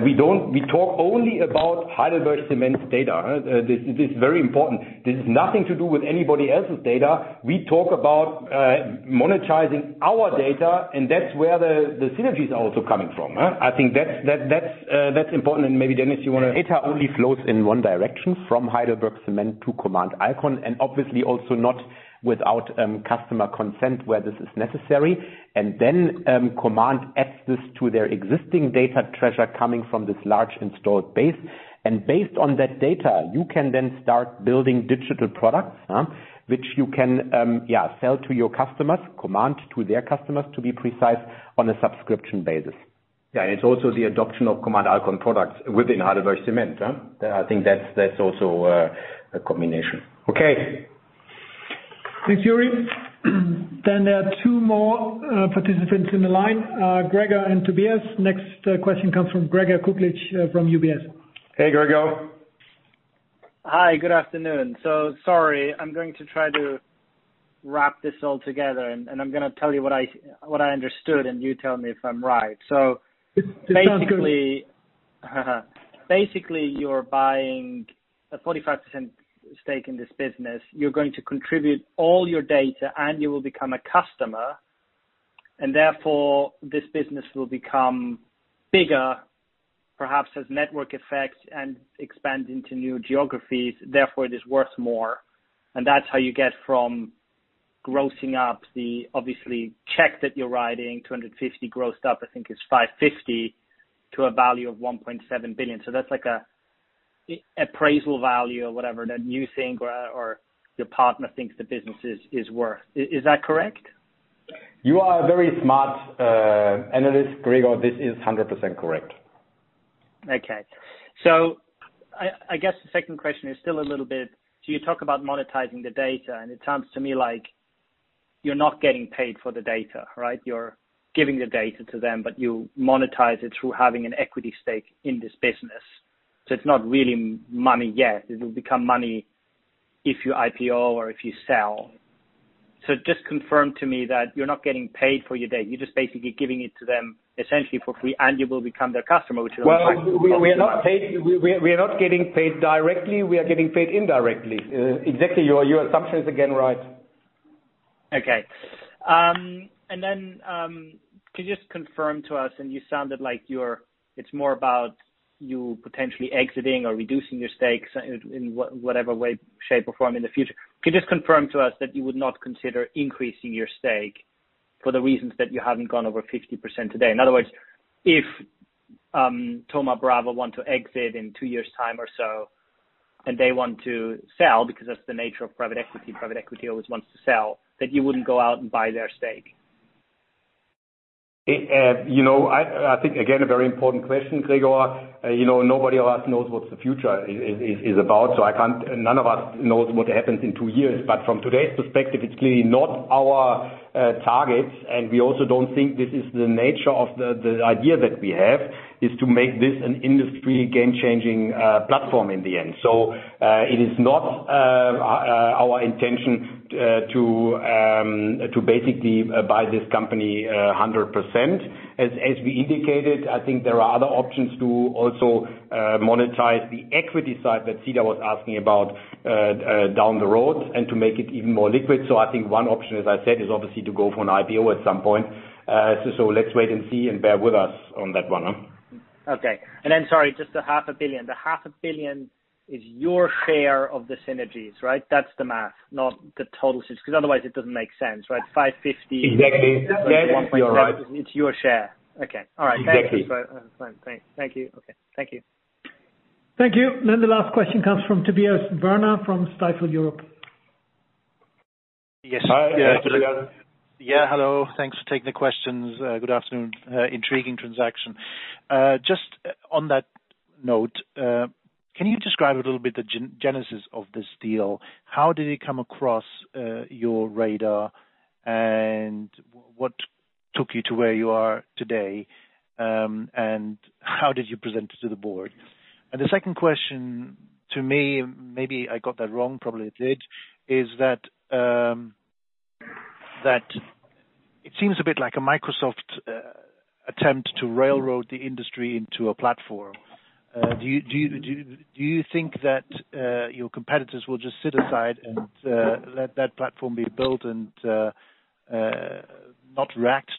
We talk only about Heidelberg Materials's data. This is very important. This is nothing to do with anybody else's data. We talk about monetizing our data, and that's where the synergies are also coming from. I think that's important, and maybe Dennis, you want to- Data only flows in one direction, from Heidelberg Materials to Command Alkon, obviously also not without customer consent where this is necessary. Then Command adds this to their existing data treasure coming from this large installed base. Based on that data, you can then start building digital products, which you can sell to your customers, Command to their customers, to be precise, on a subscription basis. Yeah, it's also the adoption of Command Alkon products within Heidelberg Materials. I think that's also a combination. Okay. Thanks, Yuri. There are two more participants in the line, Gregor and Tobias. Next question comes from Gregor Kuglitsch from UBS. Hey, Gregor. Hi, good afternoon. Sorry, I'm going to try to wrap this all together, and I'm going to tell you what I understood, and you tell me if I'm right. Basically, you're buying a 45% stake in this business. You're going to contribute all your data, and you will become a customer, and therefore this business will become bigger, perhaps as network effects, and expand into new geographies, therefore it is worth more. That's how you get from grossing up the obviously check that you're writing, $250 grossed up, I think is $550, to a value of $1.7 billion. That's like a appraisal value or whatever that you think or your partner thinks the business is worth. Is that correct? You are a very smart analyst, Gregor. This is 100% correct. Okay. I guess the second question is still a little bit You talk about monetizing the data, and it sounds to me like you're not getting paid for the data, right? You're giving the data to them, but you monetize it through having an equity stake in this business. It's not really money yet. It'll become money if you IPO or if you sell. Just confirm to me that you're not getting paid for your data? You're just basically giving it to them essentially for free, and you will become their customer. Well, we are not getting paid directly. We are getting paid indirectly. Exactly, your assumption is again, right. Okay. Could you just confirm to us, and you sounded like it's more about you potentially exiting or reducing your stakes in whatever way, shape, or form in the future. Could you just confirm to us that you would not consider increasing your stake for the reasons that you haven't gone over 50% today? In other words, if Thoma Bravo want to exit in two years' time or so, and they want to sell, because that's the nature of private equity, private equity always wants to sell, that you wouldn't go out and buy their stake. I think, again, a very important question, Gregor. Nobody of us knows what the future is about, so none of us knows what happens in two years. From today's perspective, it's clearly not our target, and we also don't think this is the nature of the idea that we have, is to make this an industry game-changing platform in the end. It is not our intention to basically buy this company 100%. As we indicated, I think there are other options to also monetize the equity side that Zita was asking about down the road and to make it even more liquid. I think one option, as I said, is obviously to go for an IPO at some point. Let's wait and see and bear with us on that one. Okay. Sorry, just the half a billion. The half a billion is your share of the synergies, right? That's the math, not the total synergies, because otherwise it doesn't make sense, right? Exactly. You are right. It's your share. Okay. All right. Exactly. Thanks. Thank you. Okay. Thank you. Thank you. The last question comes from Tobias Woerner from Stifel Europe. Yes. Hi, Tobias. Yeah, hello. Thanks for taking the questions. Good afternoon. Intriguing transaction. Just on that note, can you describe a little bit the genesis of this deal? How did it come across your radar, and what took you to where you are today, and how did you present it to the board? The second question to me, maybe I got that wrong, probably I did, is that it seems a bit like a Microsoft attempt to railroad the industry into a platform. Do you think that your competitors will just sit aside and let that platform be built and not react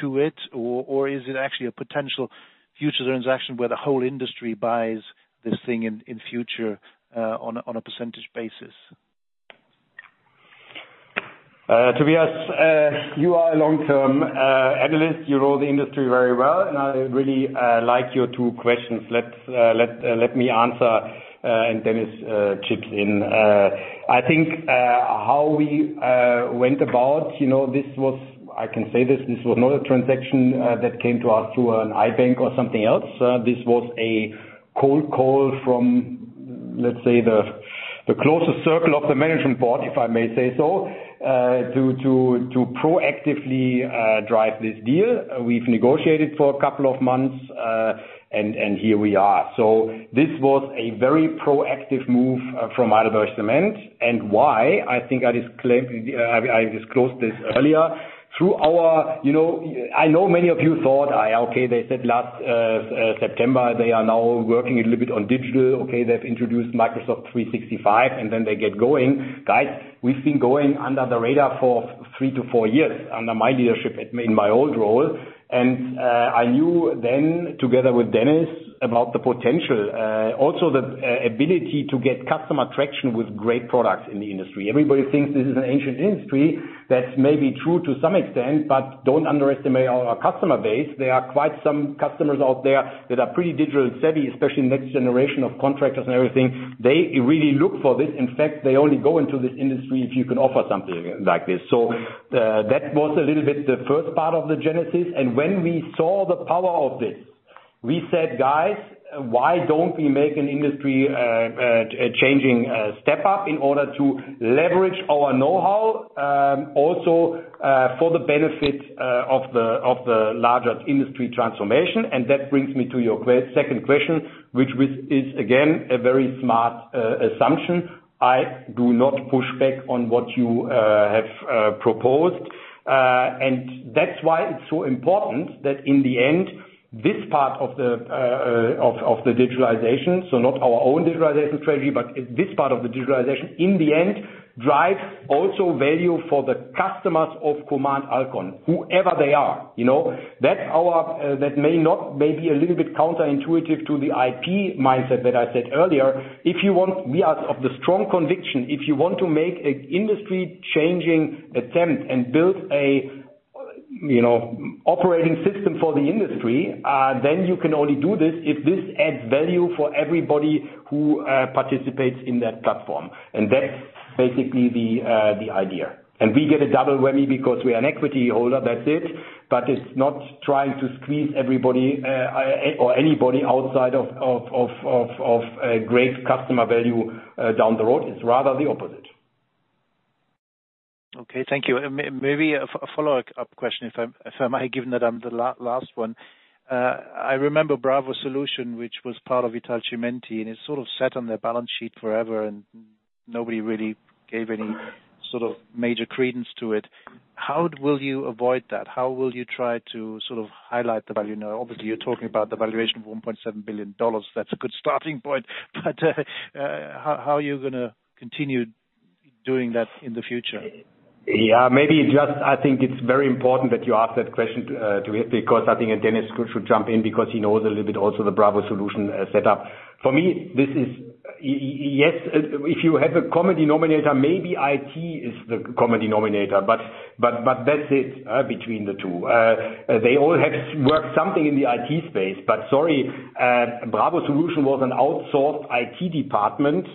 to it? Is it actually a potential future transaction where the whole industry buys this thing in future on a percentage basis? Tobias, you are a long-term analyst. You know the industry very well, and I really like your two questions. Let me answer, and Dennis chips in. I think how we went about, I can say this was not a transaction that came to us through an i-bank or something else. This was a cold call from, let's say, the closest circle of the management board, if I may say so, to proactively drive this deal. We've negotiated for a couple of months, and here we are. This was a very proactive move from Heidelberg Materials. Why? I think I disclosed this earlier. I know many of you thought, okay, they said last September, they are now working a little bit on digital. Okay, they've introduced Microsoft 365, and then they get going. Guys, we've been going under the radar for 3-4 years under my leadership in my old role. I knew then together with Dennis about the potential, also the ability to get customer traction with great products in the industry. Everybody thinks this is an ancient industry. That's maybe true to some extent, don't underestimate our customer base. There are quite some customers out there that are pretty digital-savvy, especially next generation of contractors and everything. They really look for this. In fact, they only go into this industry if you can offer something like this. That was a little bit the first part of the genesis. When we saw the power of this, We said, Guys, why don't we make an industry changing step up in order to leverage our knowhow also for the benefit of the larger industry transformation? That brings me to your second question, which is again, a very smart assumption. I do not push back on what you have proposed. That's why it's so important that in the end, this part of the digitalization, so not our own digitalization strategy, but this part of the digitalization in the end drives also value for the customers of Command Alkon, whoever they are. That may be a little bit counterintuitive to the IP mindset that I said earlier. We are of the strong conviction, if you want to make an industry-changing attempt and build an operating system for the industry, then you can only do this if this adds value for everybody who participates in that platform. That's basically the idea. We get a double whammy because we are an equity holder. That's it. It's not trying to squeeze everybody or anybody outside of great customer value down the road. It's rather the opposite. Okay. Thank you. Maybe a follow-up question, if I may, given that I'm the last one. I remember BravoSolution, which was part of Italcementi, and it sort of sat on their balance sheet forever, and nobody really gave any sort of major credence to it. How will you avoid that? How will you try to sort of highlight the value? Now, obviously you're talking about the valuation of $1.7 billion. That's a good starting point, but how are you going to continue doing that in the future? Yeah, I think it's very important that you ask that question, because I think Dennis should jump in because he knows a little bit also the BravoSolution setup. For me, yes, if you have a common denominator, maybe IT is the common denominator. That's it between the two. They all have worked something in the IT space, but sorry, BravoSolution was an outsourced IT department,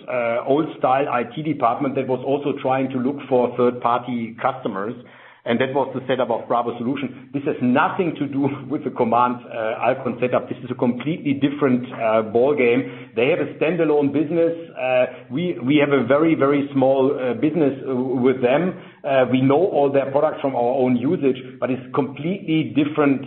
old-style IT department that was also trying to look for third-party customers, and that was the setup of BravoSolution. This has nothing to do with the Command Alkon setup. This is a completely different ballgame. They have a stand-alone business. We have a very small business with them. We know all their products from our own usage, but it's completely different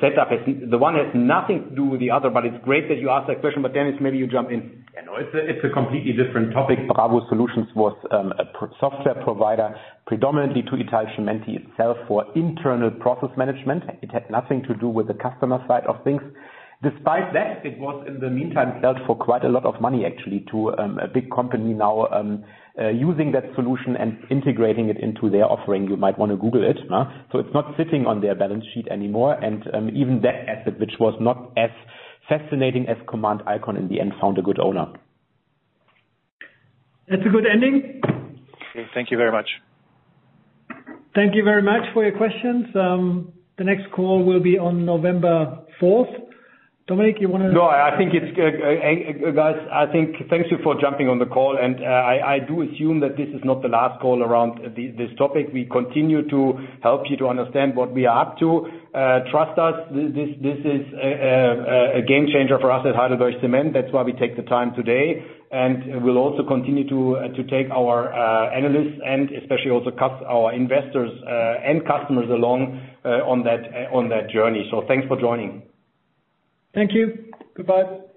setup. The one has nothing to do with the other, but it's great that you ask that question. Dennis, maybe you jump in. Yeah, no, it's a completely different topic. BravoSolution was a software provider predominantly to Italcementi itself for internal process management. It had nothing to do with the customer side of things. Despite that, it was in the meantime, sold for quite a lot of money actually, to a big company now using that solution and integrating it into their offering. You might want to Google it. It's not sitting on their balance sheet anymore. Even that asset, which was not as fascinating as Command Alkon in the end, found a good owner. That's a good ending. Okay. Thank you very much. Thank you very much for your questions. The next call will be on November 4th. Dominik. No, I think it's good. Guys, thank you for jumping on the call, and I do assume that this is not the last call around this topic. We continue to help you to understand what we are up to. Trust us, this is a game changer for us at Heidelberg Materials. That's why we take the time today, and we'll also continue to take our analysts and especially also our investors and customers along on that journey. Thanks for joining. Thank you. Goodbye.